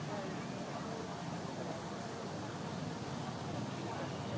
โปรดติดตามต่อไป